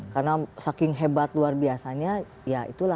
karena saking hebat luar biasanya ya itulah